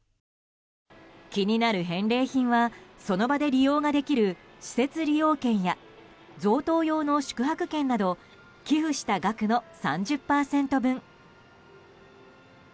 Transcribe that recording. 気になる返礼品はその場で利用ができる施設利用券や贈答用の宿泊券など寄付した額の３０％分。